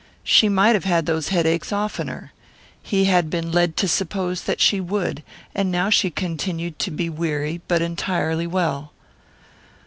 She might have had those headaches oftener. He had been led to suppose that she would, and now she continued to be weary but entirely well.